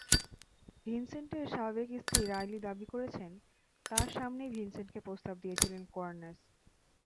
ভিনসেন্টের সাবেক স্ত্রী রাইলি দাবি করেছেন, তাঁর সামনেই ভিনসেন্টকে প্রস্তাব দিয়েছিলেন কেয়ার্নস।